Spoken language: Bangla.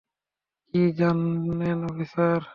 কী জানেন অফিসার?